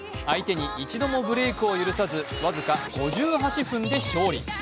相手に一度もブレークを許さず僅か５８分で勝利。